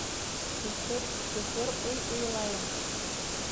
Көфөр, көфөр уй уйлайым...